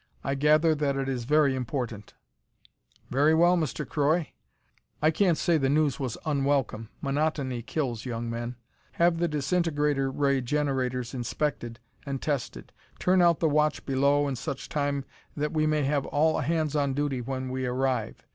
I gather that it is very important." "Very well, Mr. Croy." I can't say the news was unwelcome. Monotony kills young men. "Have the disintegrator ray generators inspected and tested. Turn out the watch below in such time that we may have all hands on duty when we arrive.